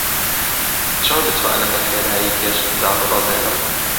چۆن بتوانم بەخێرایی کێشم داببەزێنم؟